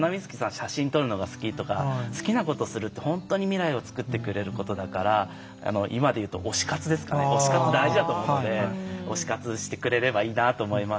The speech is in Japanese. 写真撮るのが好きとか好きなことするって本当に未来をつくってくれることですから今で言うと推し活大事だと思うので推し活してくれればと思います。